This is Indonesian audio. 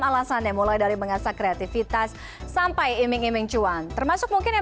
alasannya mulai dari mengasah kreativitas sampai iming iming cuan termasuk mungkin yang